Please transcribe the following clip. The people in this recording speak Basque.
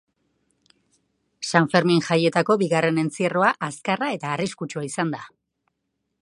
Sanfermin jaietako bigarren entzierroa azkarra eta arriskutsua izan da.